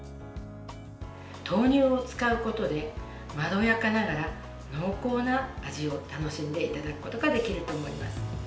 豆乳を使うことでまろやかながら濃厚な味を楽しんでいただくことができると思います。